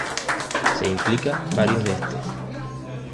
Se implica varios de este.